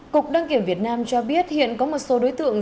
cục đăng kiểm việt nam cho biết hiện có một số đối tượng